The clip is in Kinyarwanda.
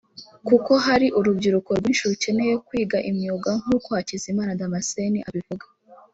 kuko hari urubyiruko rwinshi rukeneye kwiga imyuga nk’uko Hakizimana Damascene abivuga